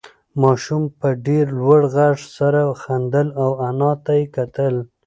ماشوم په ډېر لوړ غږ سره خندل او انا ته یې کتل.